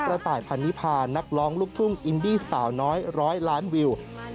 กระต่ายพันนิพานักร้องลูกทุ่งอินดี้สาวน้อย๑๐๐ล้านวิว